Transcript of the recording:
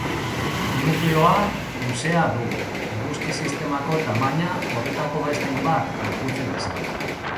Nukleoa luzea du, eguzki-sistemako tamaina horretako beste hainbat gorputzek bezala.